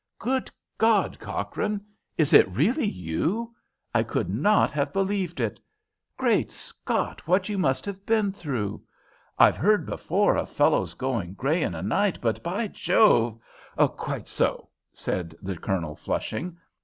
"Good God, Cochrane, is it really you? I could not have believed it. Great Scott, what you must have been through! I've heard before of fellows going grey in a night, but, by Jove " "Quite so," said the Colonel, flushing.